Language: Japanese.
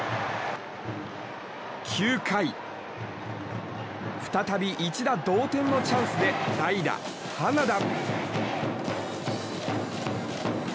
９回再び一打同点のチャンスで代打、花田。